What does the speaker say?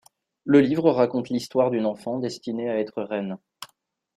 Le livre raconte l’histoire d’une enfant destinée à être Reine.